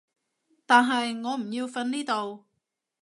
但係我唔要瞓呢度